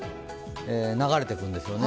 流れていくんですよね。